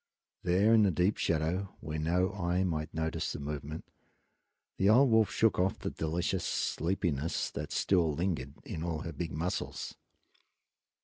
There, in the deep shadow where no eye might notice the movement, the old wolf shook off the delicious sleepiness that still lingered in all her big muscles.